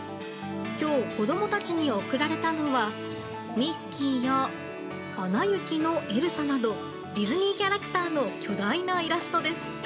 今日、子供たちに贈られたのはミッキーや「アナ雪」のエルサなどディズニーキャラクターの巨大なイラストです。